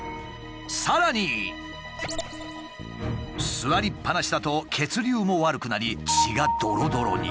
さらに座りっぱなしだと血流も悪くなり血がドロドロに。